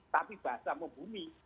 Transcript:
tapi bahasa mubumi